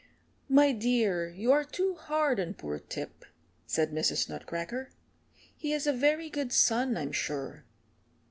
"My dear, you are too hard on poor Tip," said Mrs. Nutcracker. "He is a very good son, I'm sure."